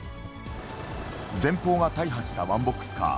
前方が大破したワンボックスカー。